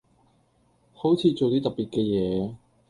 好似做啲特別嘅嘢